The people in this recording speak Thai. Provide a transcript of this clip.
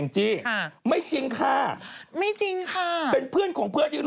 ทนี่ไม่จริงค่ะไม่จริงค่ะ